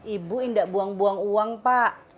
ibu indah buang buang uang pak